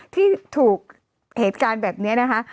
ที่ถูกเหตุการณ์แบบนี้นะคะ